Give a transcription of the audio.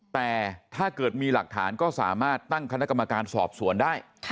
แต่ถ้าเกิดมีหลักฐานก็สามารถตั้งคณะกรรมการสอบสวนได้